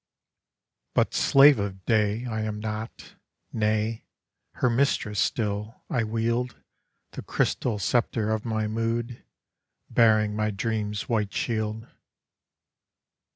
But slave of day I am not—nay, Her mistress still, I wieldThe crystal sceptre of my mood, Bearing my dream's white shield.